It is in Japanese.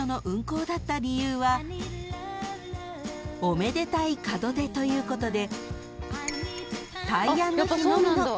［おめでたい門出ということで］